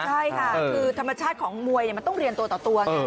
ใช่ค่ะคือธรรมชาติของมวยมันต้องเรียนตัวต่อตัวไง